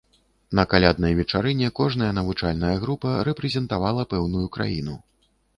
На каляднай вечарыне кожная навучальная група рэпрэзентавала пэўную краіну.